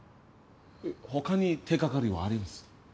他に手がかりはあります？